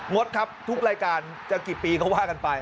ดครับทุกรายการจะกี่ปีก็ว่ากันไป